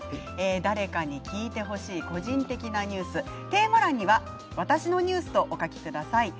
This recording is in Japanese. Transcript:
誰かに聞いてほしい個人的なニューステーマ欄には「わたしのニュース」とお書きください。